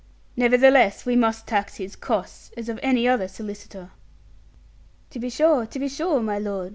Nevertheless, we must tax his costs, as of any other solicitor.' 'To be sure, to be sure, my lord!'